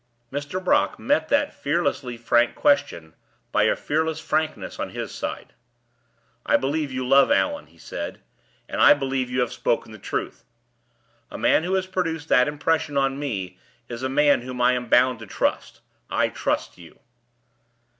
Mr. Brock met that fearlessly frank question by a fearless frankness on his side. "I believe you love Allan," he said, "and I believe you have spoken the truth. A man who has produced that impression on me is a man whom I am bound to trust. I trust you."